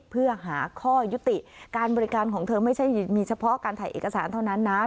เพื่อหาข้อยุติการบริการของเธอไม่ใช่มีเฉพาะการถ่ายเอกสารเท่านั้นนะ